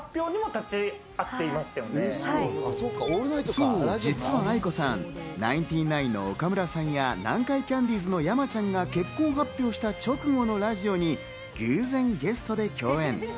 そう、実はａｉｋｏさん、ナインティナインの岡村さんや南海キャンディーズの山ちゃんが結婚発表した直後のラジオに偶然、ゲストで共演。